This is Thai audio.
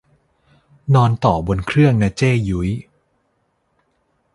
นอนต่อบนเครื่องนะเจ้ยุ้ย